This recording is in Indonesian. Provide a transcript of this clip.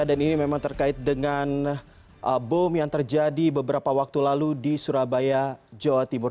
dan ini memang terkait dengan bom yang terjadi beberapa waktu lalu di surabaya jawa timur